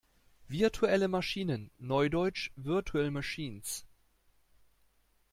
Virtuelle Maschinen, neudeutsch Virtual Machines.